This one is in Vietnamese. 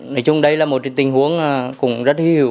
nói chung đây là một tình huống cũng rất hữu